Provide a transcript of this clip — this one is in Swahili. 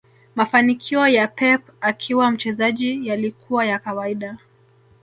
mafanikio ya Pep akiwa mchezaji yalikuwa ya kawaida